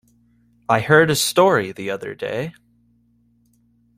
I heard a story the other day.